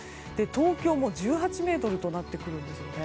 東京も１８メートルとなってくるんですね。